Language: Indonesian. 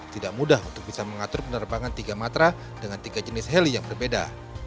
tidak mudah untuk bisa mengatur penerbangan tiga matra dengan tiga jenis heli yang berbeda